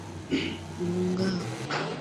mwa Kenya wenyeji wengi si wasemaji wa lugha